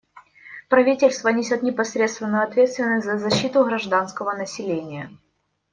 Правительство несет непосредственную ответственность за защиту гражданского населения.